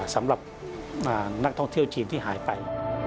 สำหรับนักท่องเที่ยวจีนที่หายไป